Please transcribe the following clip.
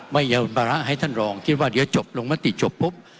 ไม่ยอมวาระให้ท่านรองคิดว่าเดี๋ยวจบลงมติจบปุ๊บ